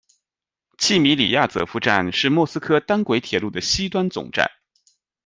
季米里亚泽夫站是莫斯科单轨铁路的西端总站。